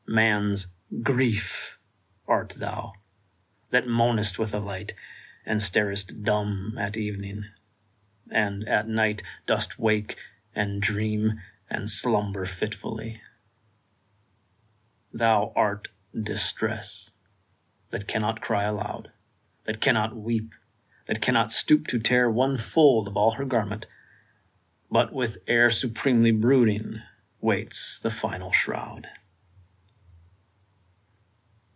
Man's Grief art thou, that moanest with the light, And starest dumb at evening — and at night Dost wake and dream and slumber fitfully ! Thou art Distress — ^that cannot cry alou<^ That cannot weep, that cannot stoop to tear One fold of all her garment, but with air Supremely brooding waits the final shroud